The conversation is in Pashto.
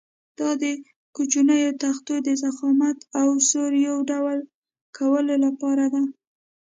دا د کوچنیو تختو د ضخامت او سور یو ډول کولو لپاره ده.